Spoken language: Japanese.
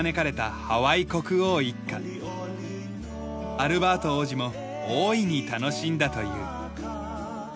アルバート王子も大いに楽しんだという。